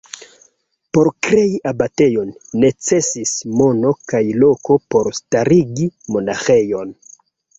Por krei abatejon, necesis mono kaj loko por starigi monaĥejon.